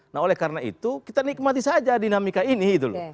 nah oleh karena itu kita nikmati saja dinamika ini